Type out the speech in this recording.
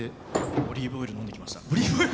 オリーブオイル飲んできました。